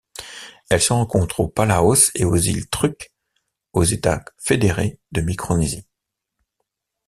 Elle se rencontre aux Palaos et aux îles Truk aux États fédérés de Micronésie.